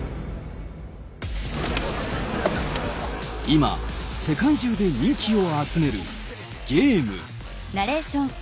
今世界中で人気を集めるゲーム。